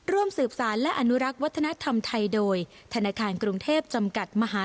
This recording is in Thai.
ร่วมสืบสารและอนุรักษ์วัฒนธรรมไทยโดยธนาคารกรุงเทพจำกัดมหา